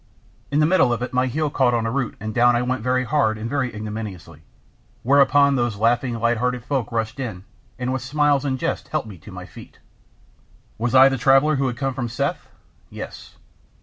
In the middle of it my heel caught in a root and down I went very hard and very ignominiously, whereon those laughing, light hearted folk rushed in, and with smiles and jests helped me to my feet. "Was I the traveller who had come from Seth?" "Yes."